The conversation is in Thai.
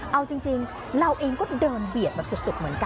เอาจริงเราเองก็เดินเบียดแบบสุดเหมือนกัน